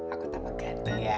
aku tampak ganteng ya